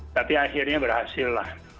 tapi akhirnya berhasil lah